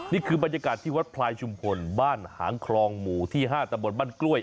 นี่คือบรรยากาศที่วัดพลายชุมพลบ้านหางคลองหมู่ที่๕ตะบนบ้านกล้วย